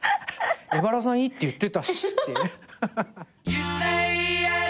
江原さんいいって言ってたしって。